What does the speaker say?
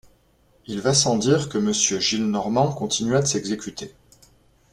Il va sans dire que Monsieur Gillenormand continua de s’exécuter.